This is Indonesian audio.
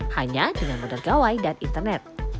hanya dengan menergawai dan internet